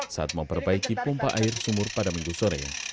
saat memperbaiki pompa air sumur pada minggu sore